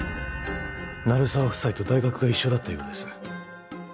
鳴沢夫妻と大学が一緒だったようです